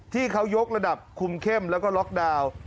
ที่เขายกระดับคุมเข้มแล้วก็ล็อกดาวน์